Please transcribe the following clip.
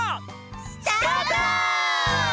スタート！